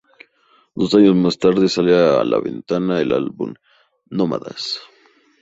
Dos años más tarde, sale a la venta el álbum "Nómadas".